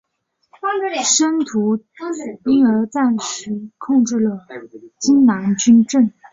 申屠琮因而暂时控制了荆南军政。